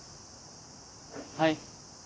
はい。